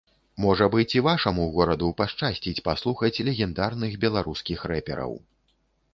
Можа быць, і вашаму гораду пашчасціць паслухаць легендарных беларускіх рэпераў.